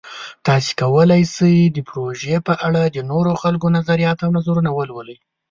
تاسو کولی شئ د پروژې په اړه د نورو خلکو نظریات او نظرونه ولولئ.